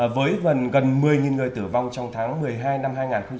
với gần một mươi người tử vong trong tháng một mươi hai năm hai nghìn hai mươi